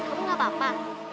ya kamu gak apa apa